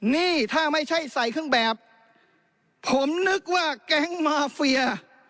นี่ถ้าไม่ใช่ใส่เครื่องแบบผมนึกว่าแก๊งมาเฟีย